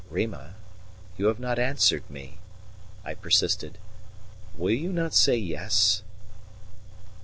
"Rima, you have not answered me," I persisted. "Will you not say yes?"